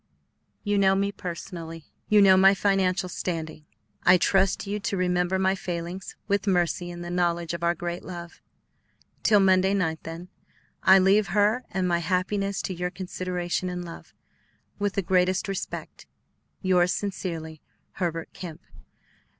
You know me personally; you know my financial standing; I trust to you to remember my failings with mercy in the knowledge of our great love. Till Monday night, then, I leave her and my happiness to your consideration and love. With the greatest respect, Yours Sincerely, HERBERT KEMP.